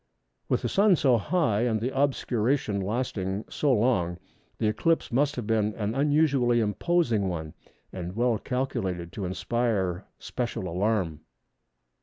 With the Sun so high and the obscuration lasting so long, this eclipse must have been an unusually imposing one, and well calculated to inspire special alarm.